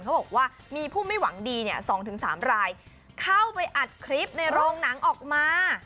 เขาบอกว่ามีผู้ไม่หวังดี๒๓รายเข้าไปอัดคลิปในโรงหนังออกมา